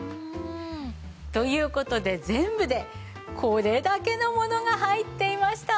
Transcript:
という事で全部でこれだけの物が入っていました！